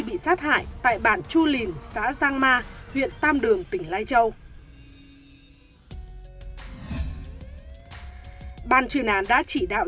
bị sát hại tại bản chu lìn xã giang ma huyện tam đường tỉnh lai châu ban chuyên án đã chỉ đạo